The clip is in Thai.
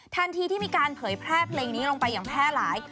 ทันทีที่มีการเผยแพร่เพลงนี้ลงไปอย่างแพร่หลาย